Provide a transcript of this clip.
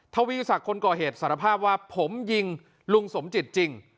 ทวีศักดิ์คนก่อเหตุสารภาพว่าผมยิงลุงสมจิตจริง